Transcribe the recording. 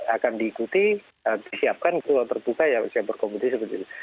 akan diikuti disiapkan ke luar tertutup yang berkompetisi seperti itu